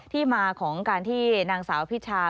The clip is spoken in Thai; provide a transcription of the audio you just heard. ที่มาของการที่นางสาวพิชา